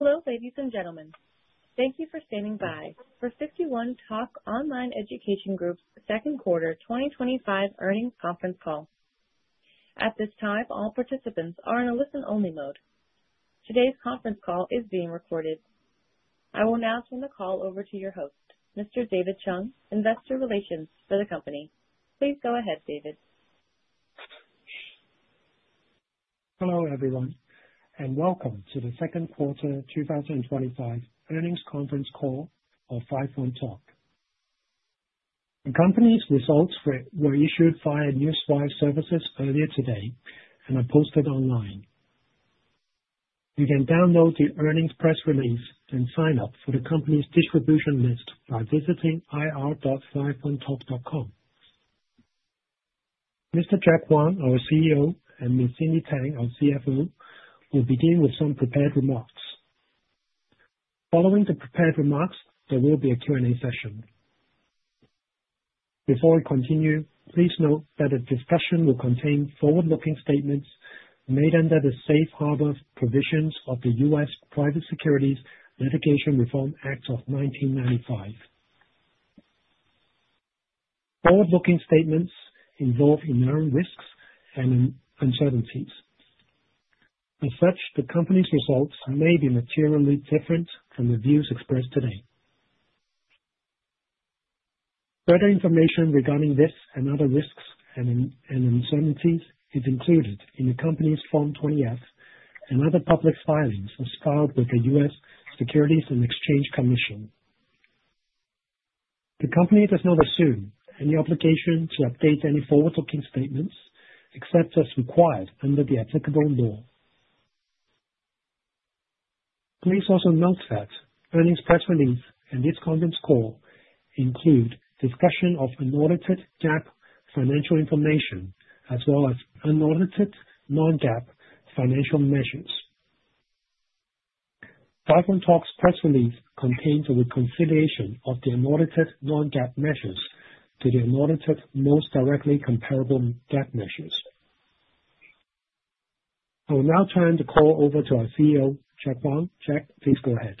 Hello, ladies and gentlemen. Thank you for standing by for 51Talk Online Education Group's Second Quarter 2025 Earnings Conference Call. At this time, all participants are in a listen-only mode. Today's conference call is being recorded. I will now turn the call over to your host, Mr. David Chung, Investor Relations for the company. Please go ahead, David. Hello, everyone, and welcome to the Second Quarter 2025 Earnings Conference Call of 51Talk. The company's results were issued via newswire services earlier today and are posted online. You can download the earnings press release and sign up for the company's distribution list by visiting ir.51talk.com. Mr. Jack Huang, our CEO, and Ms. Cindy Tang, our CFO, will begin with some prepared remarks. Following the prepared remarks, there will be a Q&A session. Before we continue, please note that the discussion will contain forward-looking statements made under the safe harbor provisions of the U.S. Private Securities Litigation Reform Act of 1995. Forward-looking statements involve inherent risks and uncertainties. As such, the company's results may be materially different from the views expressed today. Further information regarding this and other risks and uncertainties is included in the company's Form 20-F and other public filings filed with the U.S. Securities and Exchange Commission. The company does not assume any obligation to update any forward-looking statements except as required under the applicable law. Please also note that earnings press release and this conference call include discussion of unaudited GAAP financial information as well as unaudited non-GAAP financial measures. 51Talk's press release contains a reconciliation of the unaudited non-GAAP measures to the unaudited most directly comparable GAAP measures. I will now turn the call over to our CEO, Jack Huang. Jack, please go ahead.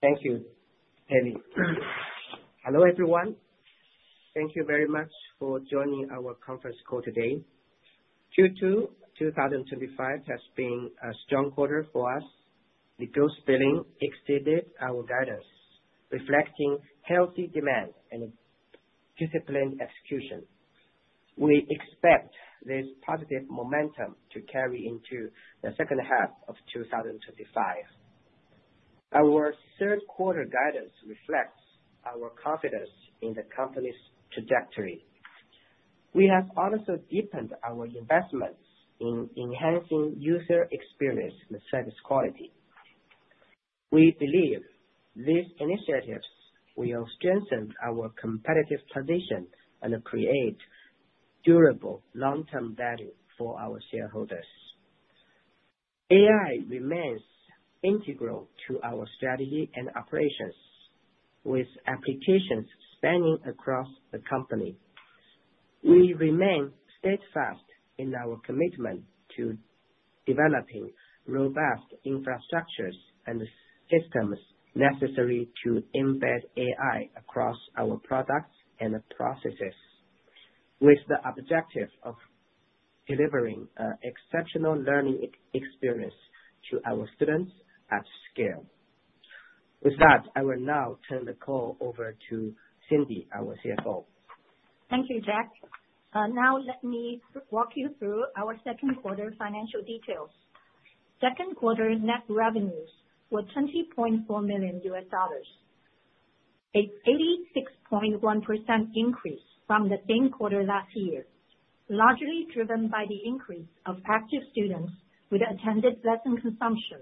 Thank you, David. Hello, everyone. Thank you very much for joining our conference call today. Q2 2025 has been a strong quarter for us. The gross billings exceeded our guidance, reflecting healthy demand and disciplined execution. We expect this positive momentum to carry into the second half of 2025. Our third quarter guidance reflects our confidence in the company's trajectory. We have also deepened our investments in enhancing user experience and service quality. We believe these initiatives will strengthen our competitive position and create durable long-term value for our shareholders. AI remains integral to our strategy and operations, with applications spanning across the company. We remain steadfast in our commitment to developing robust infrastructures and systems necessary to embed AI across our products and processes, with the objective of delivering an exceptional learning experience to our students at scale. With that, I will now turn the call over to Cindy, our CFO. Thank you, Jack. Now, let me walk you through our second quarter financial details. Second quarter net revenues were $20.4 million, an 86.1% increase from the same quarter last year, largely driven by the increase of active students with attended lesson consumption.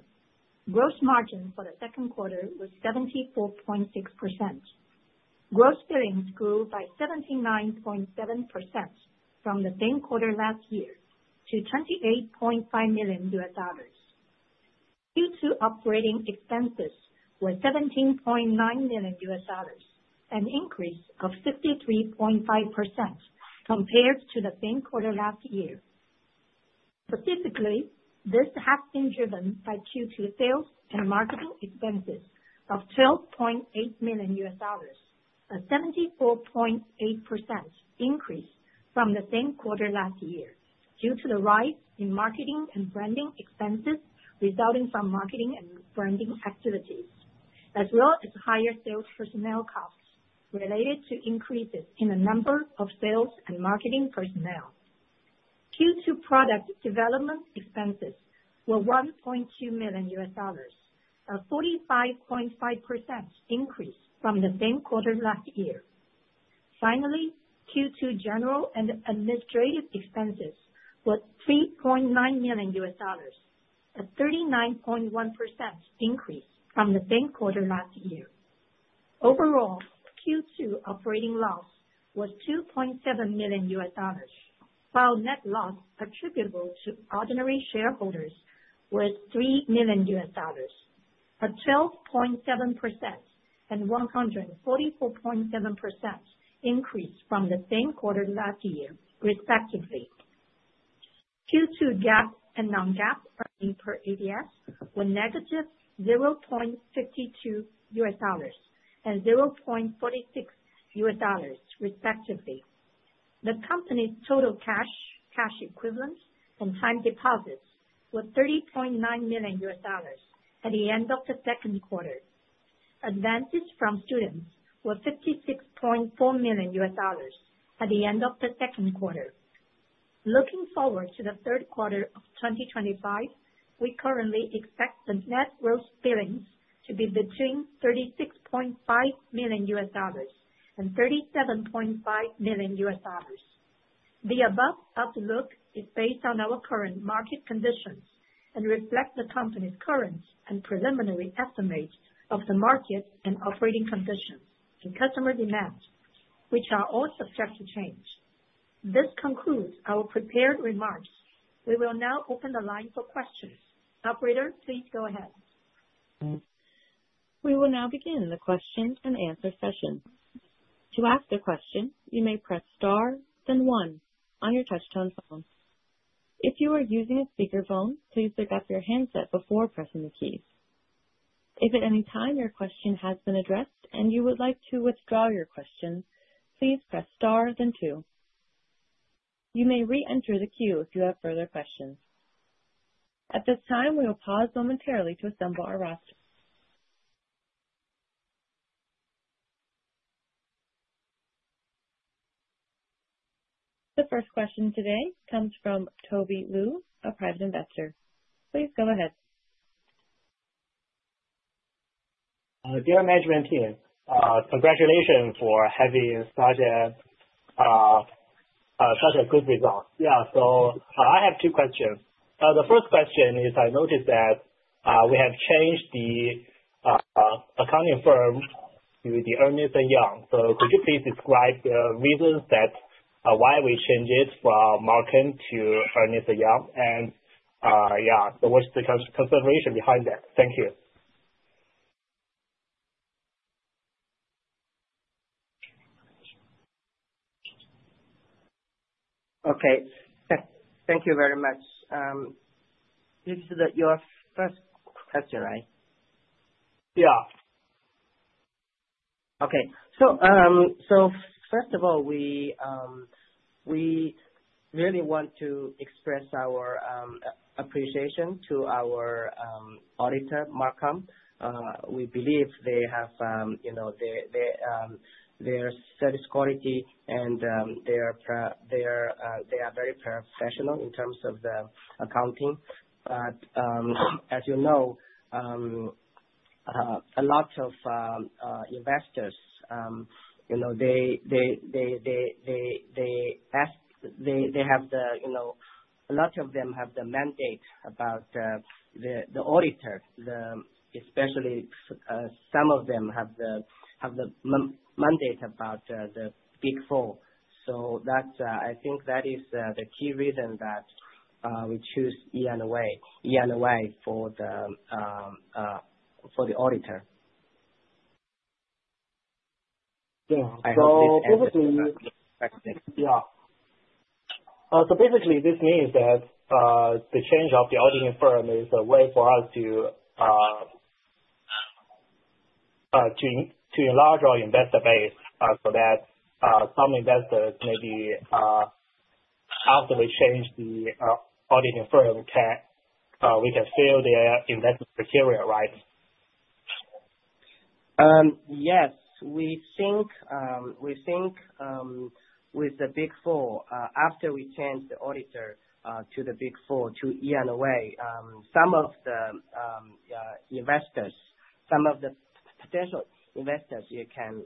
Gross margin for the second quarter was 74.6%. Gross billings grew by 79.7% from the same quarter last year to $28.5 million. Q2 operating expenses were $17.9 million, an increase of 53.5% compared to the same quarter last year. Specifically, this has been driven by Q2 sales and marketing expenses of $12.8 million, a 74.8% increase from the same quarter last year due to the rise in marketing and branding expenses resulting from marketing and branding activities, as well as higher sales personnel costs related to increases in the number of sales and marketing personnel. Q2 product development expenses were $1.2 million, a 45.5% increase from the same quarter last year. Finally, Q2 general and administrative expenses were $3.9 million, a 39.1% increase from the same quarter last year. Overall, Q2 operating loss was $2.7 million, while net loss attributable to ordinary shareholders was $3 million, a 12.7% and 144.7% increase from the same quarter last year, respectively. Q2 GAAP and non-GAAP earnings per ADS were -$0.52 and $0.46, respectively. The company's total cash equivalent and time deposits were $30.9 million at the end of the second quarter. Advances from students were $56.4 million at the end of the second quarter. Looking forward to the third quarter of 2025, we currently expect the net gross billings to be between $36.5 million and $37.5 million. The above outlook is based on our current market conditions and reflects the company's current and preliminary estimates of the market and operating conditions and customer demand, which are all subject to change. This concludes our prepared remarks. We will now open the line for questions. Operator, please go ahead. We will now begin the question-and-answer session. To ask a question, you may press star, then one on your touch-tone phone. If you are using a speakerphone, please lift up your handset before pressing the keys. If at any time your question has been addressed and you would like to withdraw your question, please press star, then two. You may re-enter the queue if you have further questions. At this time, we will pause momentarily to assemble our roster. The first question today comes from Toby Liu, a private investor. Please go ahead. Dear Management Team, congratulations for having such a good result. Yeah, so I have two questions. The first question is I noticed that we have changed the accounting firm to the Ernst & Young. So could you please describe the reasons why we changed it from Marcum to Ernst & Young? And yeah, so what's the consideration behind that? Thank you. Okay. Thank you very much. This is your first question, right? Yeah. Okay. So first of all, we really want to express our appreciation to our auditor, Marcum. We believe they have their service quality and they are very professional in terms of the accounting. But as you know, a lot of investors, a lot of them have the mandate about the auditor, especially some of them have the mandate about the Big 4. So I think that is the key reason that we choose E&Y for the auditor. So basically. Yeah. So basically, this means that the change of the auditing firm is a way for us to enlarge our investor base so that some investors, maybe after we change the auditing firm, we can fill their investment criteria, right? Yes. We think with the Big 4, after we change the auditor to the Big 4, to E&Y, some of the investors, some of the potential investors, they can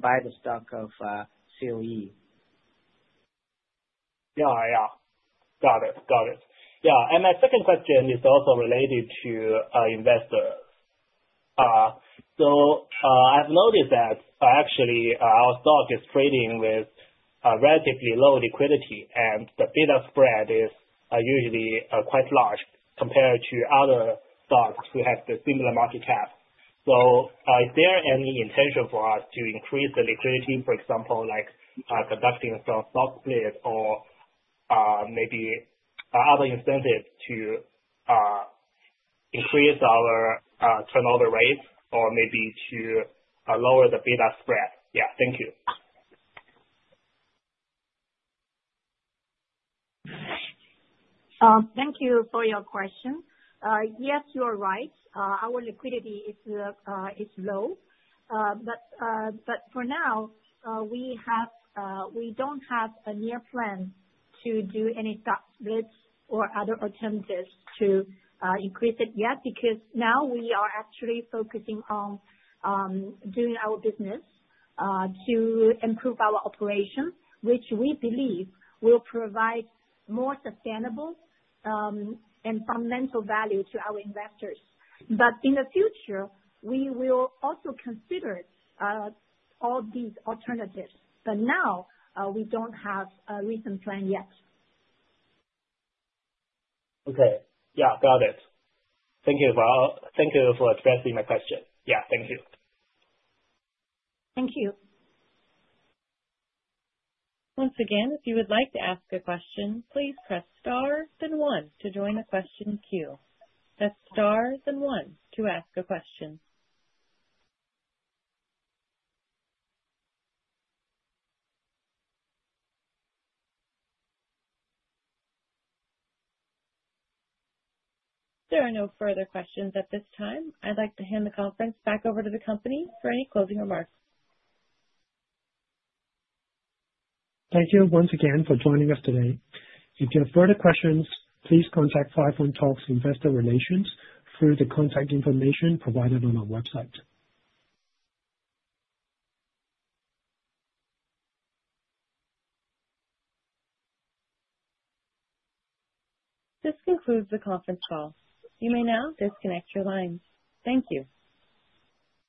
buy the stock of COE. Yeah, yeah. Got it. Got it. Yeah. And my second question is also related to investors. So I've noticed that actually our stock is trading with relatively low liquidity, and the bid-ask spread is usually quite large compared to other stocks who have the similar market cap. So is there any intention for us to increase the liquidity, for example, like conducting some stock split or maybe other incentives to increase our turnover rate or maybe to lower the bid-ask spread? Yeah. Thank you. Thank you for your question. Yes, you are right. Our liquidity is low. But for now, we don't have a near plan to do any stock splits or other attempts to increase it yet because now we are actually focusing on doing our business to improve our operation, which we believe will provide more sustainable and fundamental value to our investors. But in the future, we will also consider all these alternatives. But now we don't have a recent plan yet. Okay. Yeah. Got it. Thank you for addressing my question. Yeah. Thank you. Thank you. Once again, if you would like to ask a question, please press star, then one to join the question queue. Press star, then one to ask a question. There are no further questions at this time. I'd like to hand the conference back over to the company for any closing remarks. Thank you once again for joining us today. If you have further questions, please contact 51Talk's Investor Relations through the contact information provided on our website. This concludes the conference call. You may now disconnect your line. Thank you.